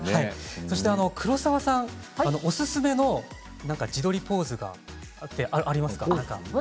黒沢さん、おすすめの自撮りポーズがありますか？